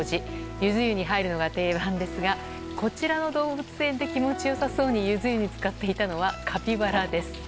ゆず湯に入るのが定番ですがこちらの動物園で気持ち良さそうにゆず湯に浸かっていたのはカピバラです。